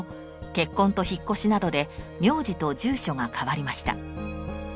結婚と引っ越しなどで名字と住所が変わりました。